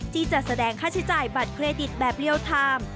ที่จะแสดงค่าใช้จ่ายบัตรเครดิตแบบเรียลไทม์